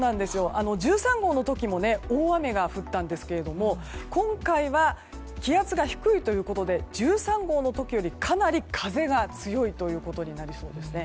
１３号の時も大雨が降ったんですけど今回は気圧が低いということで１３号の時よりかなり風が強いということになりそうです。